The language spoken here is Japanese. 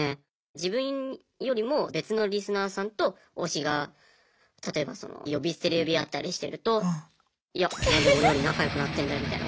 自分よりも別のリスナーさんと推しが例えば呼び捨てで呼び合ったりしてるといや何でオレより仲良くなってんだよみたいな。